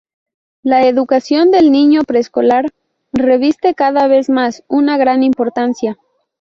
La educación del niño preescolar reviste cada vez más, una gran importancia.